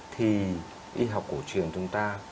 thì y học cổ truyền chúng ta